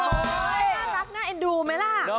โอ้โฮห้ารักเอ็นดูไม่ล่ะ